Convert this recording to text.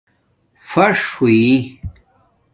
پھݽ ہوئ